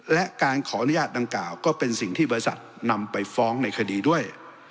และการขออนุญาตดังกล่าวก็เป็นสิ่งที่บริษัทนำไปฟ้องในคดีด้วย